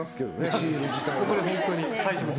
シール自体が。